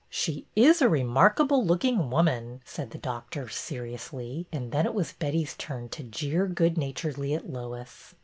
'' She is a remarkable looking wotnan,'' said the doctor, seriously, and then it was Betty's turn to jeer good naturedly at Lois.